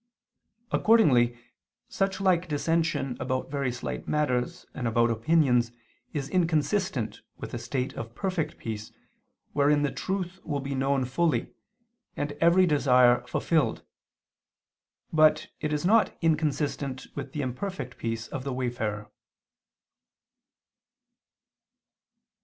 Accordingly such like dissension about very slight matters and about opinions is inconsistent with a state of perfect peace, wherein the truth will be known fully, and every desire fulfilled; but it is not inconsistent with the imperfect peace of the wayfarer.